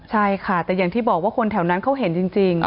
ใช่ค่ะแต่อย่างที่บอกว่าคนแถวนั้นเขาเห็นจริง